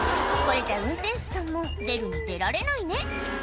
これじゃあ運転手さんも出るに出られないね